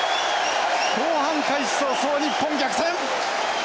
後半開始早々日本逆転！